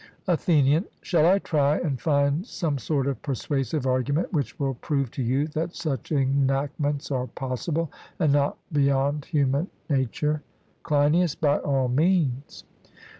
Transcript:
ATHENIAN: Shall I try and find some sort of persuasive argument which will prove to you that such enactments are possible, and not beyond human nature? CLEINIAS: By all means.